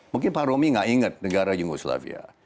mungkin pak romy tidak ingat negara yugoslavia